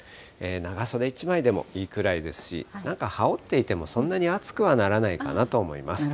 長袖１枚でもいいくらいですし、なんか羽織っていてもそんなに暑くはならないかなと思います。